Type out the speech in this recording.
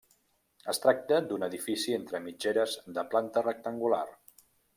Es tracta d'un edifici entre mitgeres de planta rectangular.